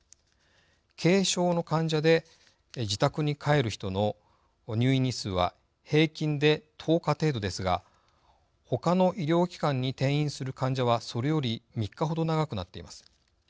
軽症の患者で自宅に帰る人の入院日数は平均で１０日程度ですがほかの医療機関に転院する患者はそれより３日ほど長くなっています。